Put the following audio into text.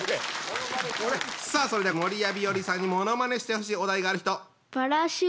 さあそれでは守谷日和さんにものまねしてほしいお題がある人！